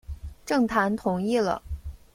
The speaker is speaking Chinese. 郑覃同意了。